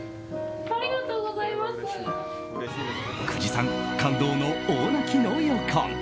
久慈さん、感動の大泣きの予感。